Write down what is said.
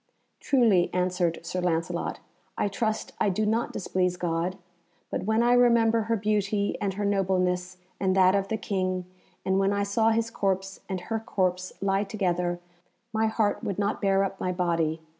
"Truly," answered Sir Lancelot, "I trust I do not displease God, but when I remember her beauty, and her nobleness, and that of the King, and when I saw his corpse and her corpse lie together, my heart would not bear up my body.